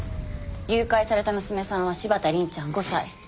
誘拐された娘さんは柴田凛ちゃん５歳。